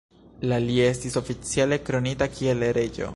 La li estis oficiale kronita kiel reĝo.